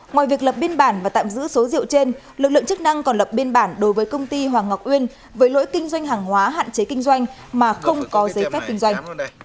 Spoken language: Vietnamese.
ngoài việc lập biên bản và tạm giữ số rượu trên lực lượng chức năng còn lập biên bản đối với công ty hoàng ngọc uyên với lỗi kinh doanh hàng hóa hạn chế kinh doanh mà không có giấy phép kinh doanh